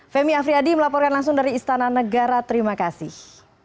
femi afriyadi melaporkan langsung dari istana negara terima kasih